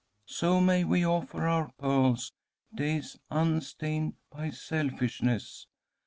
"So may we offer our pearls, days unstained by selfishness."